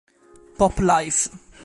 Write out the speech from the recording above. Pop Life